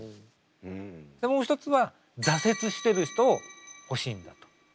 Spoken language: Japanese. でもう一つは「挫折してる人を欲しいんだ」と。